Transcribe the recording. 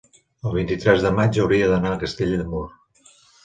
el vint-i-tres de maig hauria d'anar a Castell de Mur.